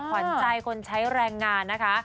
ขวัญใจคนใช้แรงงานนะคะ